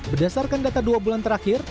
berdasarkan data dua bulan terakhir